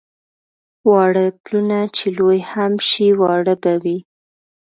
واړه پلونه چې لوی هم شي واړه به وي.